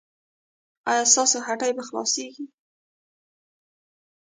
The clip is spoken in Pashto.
ایا ستاسو هټۍ به خلاصیږي؟